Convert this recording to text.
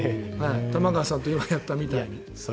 玉川さんと今やったみたいに。